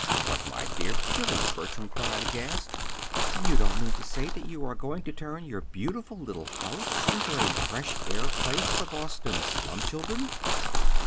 "But, my dear Billy," Bertram cried, aghast, "you don't mean to say that you are going to turn your beautiful little house into a fresh air place for Boston's slum children!"